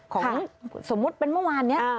ของสมมุติเป็นเมื่อวานนี้